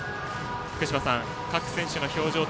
福島さん、各選手の表情